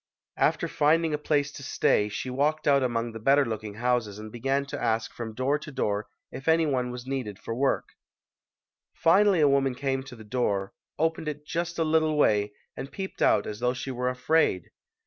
After finding a place to stay, she walked out among the 94 ] UNSUNG HEROES better looking houses and began to ask from door to door if any one was needed for work. Finally a woman came to the door, opened it just a little way and peeped out as though she were afraid.